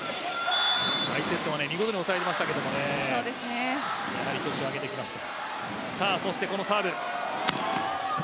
第１セットは見事に抑えましたけれどもね調子を上げてきました。